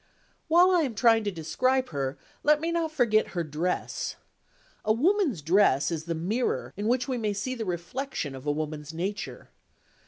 While I am trying to describe her, let me not forget her dress. A woman's dress is the mirror in which we may see the reflection of a woman's nature.